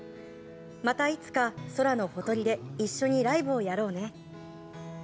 またいつか空のほとりで一緒にライブをやろうね。